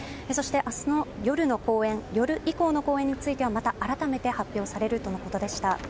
明日の夜以降の公演についてはまた改めて発表されるとのことでした。